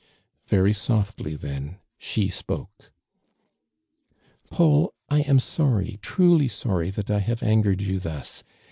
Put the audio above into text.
Very softly then she spoke, " Paul, I am sorry, truly sorry that I have angered you thus